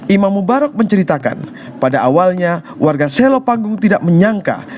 imam mubarok menceritakan pada awalnya warga selopanggung tidak menyangka